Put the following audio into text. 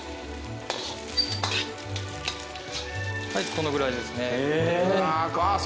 このぐらいですね。え！